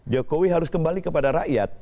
jokowi harus kembali kepada rakyat